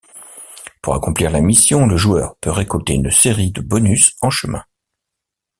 Pour accomplir la mission, le joueur peut récolter une série de bonus en chemin.